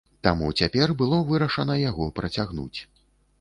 Таму цяпер было вырашана яго працягнуць.